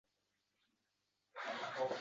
Ufqdan nari